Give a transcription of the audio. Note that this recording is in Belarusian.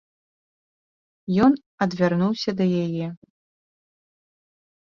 Ён адвярнуўся да яе.